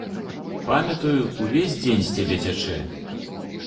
Памятаю, увесь дзень з цябе цячэ.